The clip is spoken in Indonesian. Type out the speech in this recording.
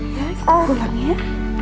ya kita pulang ya